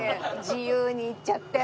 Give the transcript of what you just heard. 自由に行っちゃって。